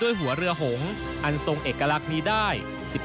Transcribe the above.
หัวเรือหงษ์อันทรงเอกลักษณ์นี้ได้